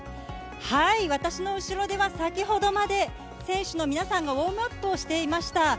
私の後ろでは、先ほどまで選手の皆さんがウォームアップをしていました。